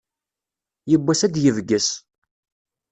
Yiwwas ad d-yebges.